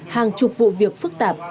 hàng chục vụ việc phức tạp